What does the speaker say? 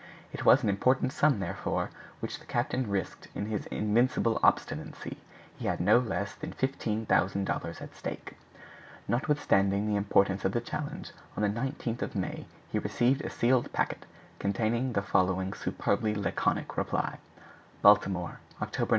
It was an important sum, therefore, which the captain risked in his invincible obstinacy. He had no less than $15,000 at stake. Notwithstanding the importance of the challenge, on the 19th of May he received a sealed packet containing the following superbly laconic reply: "BALTIMORE, October 19.